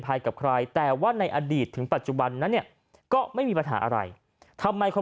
กับใครแต่ว่าในอดีตถึงปัจจุบันนั้นเนี่ยก็ไม่มีปัญหาอะไรทำไมเขา